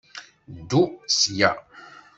Ddu sya!